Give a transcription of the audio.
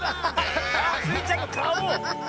スイちゃんのかお！